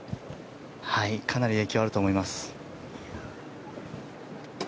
かなり影響あると思います。